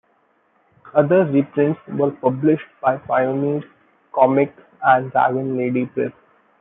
Other reprints were published by Pioneer Comics and Dragon Lady Press.